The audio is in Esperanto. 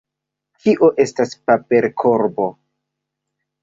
Kio estas paperkorbo?